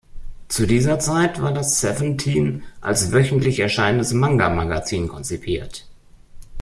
Zu dieser Zeit war das "Seventeen" als wöchentlich erscheinendes Manga-Magazin konzipiert.